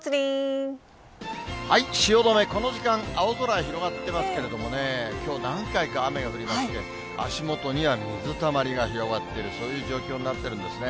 汐留、この時間、青空広がってますけれどもね、きょう、何回か雨が降りまして、足元には水たまりが広がっている、そういう状況になってるんですね。